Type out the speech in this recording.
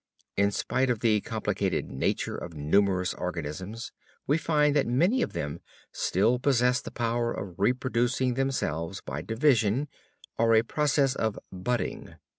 In spite of the complicated nature of numerous organisms we find that many of them still possess the power of reproducing themselves by division or a process of "budding."